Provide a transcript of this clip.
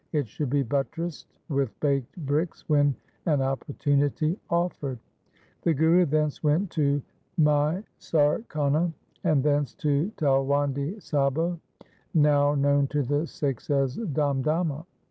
It should be buttressed with baked bricks when an opportunity offered. The Guru thence went to Maisarkhana, and thence to Talwandi Sabo, now known to the Sikhs as Damdama.